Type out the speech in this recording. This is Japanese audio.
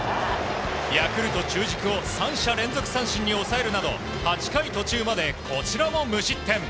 ヤクルト中軸を３者連続三振に抑えるなど８回途中までこちらも無失点。